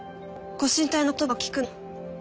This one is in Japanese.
御神体の言葉を聞くの。